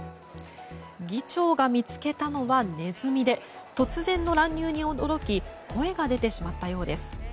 議長が見つけたのはネズミで突然の乱入に驚き声が出てしまったようです。